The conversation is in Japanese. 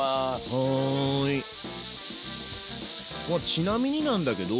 ちなみになんだけど。